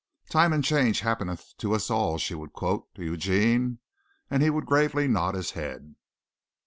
"Time and change happeneth to us all," she would quote to Eugene and he would gravely nod his head.